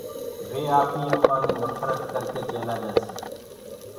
وي آپيٚ اپانٚ دي نڦرت ڪرڪي چيلآ جآسيٚ